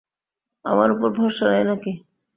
আমার উপর ভরসা নেই নাকি?